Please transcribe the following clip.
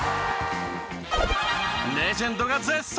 レジェンドが絶賛！